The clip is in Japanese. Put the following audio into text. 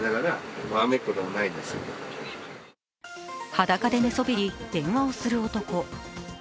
裸で寝そべり電話をする男。